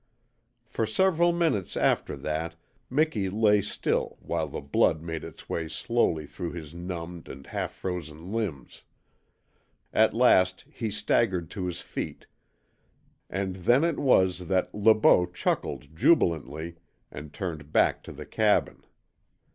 For several minutes after that Miki lay still while the blood made its way slowly through his numbed and half frozen limbs. At last he staggered to his feet, and then it was that Le Beau chuckled jubilantly and turned back to the cabin.